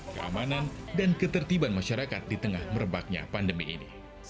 keamanan dan ketertiban masyarakat di tengah merebaknya pandemi ini